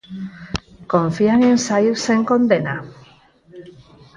Confían en saír sen condena?